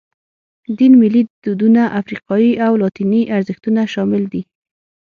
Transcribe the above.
دین، ملي دودونه، افریقایي او لاتیني ارزښتونه شامل دي.